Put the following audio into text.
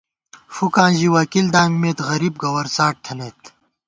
فُوکاں ژِی وکیل دامِمېت، غریب گوَرڅاٹ تھنَئیت